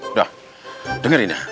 udah dengerin ya